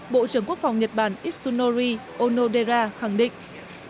bộ trưởng quốc phòng nhật bản isunoi onodera khẳng định